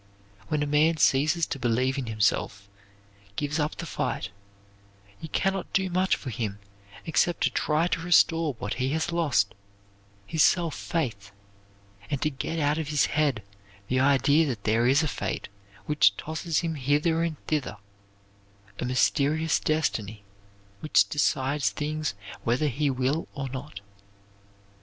When a man ceases to believe in himself gives up the fight you can not do much for him except to try to restore what he has lost his self faith and to get out of his head the idea that there is a fate which tosses him hither and thither, a mysterious destiny which decides things whether he will or not.